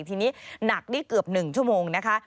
ทีนี้หนักนี่เกือบ๑ชั่วโมงนะคะ